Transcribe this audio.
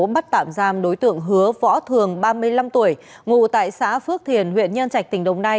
bắt tạm giam đối tượng hứa võ thường ba mươi năm tuổi ngụ tại xã phước thiền huyện nhân trạch tỉnh đồng nai